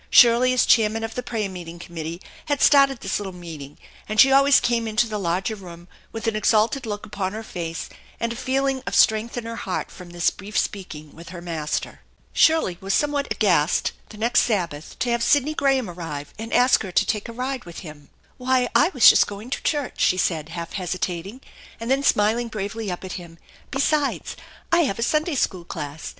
Shirley as chairman of the prayer meeting committee had started this little meeting, and she always came into the larger room with an exalted look upon her face and a feeling of strength in her heart from this brief speaking with her Master. Shirley was somewhat aghast the next Sabbath to have Sidney Graham arrive and ask her to take a ride with him. "Why, I was just going to church," she said, half hesi tating, and then smiling bravely up at him ;" besides, I have a Sunday school class.